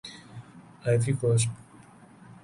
Ivory Coast